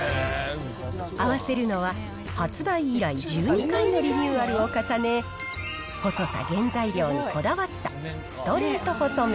合わせるのは発売以来、１２回のリニューアルを重ね、細さ、原材料にこだわったストレート細麺。